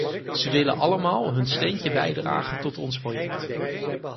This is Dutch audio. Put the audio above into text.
Ze willen allemaal hun steentje bijdragen tot ons project.